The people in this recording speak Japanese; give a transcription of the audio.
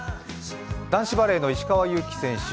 男子バレーの石川祐希選手